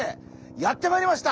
やって参りました。